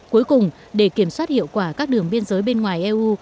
cuối cùng để kiểm soát hiệu quả các đường biên giới bên ngoài eu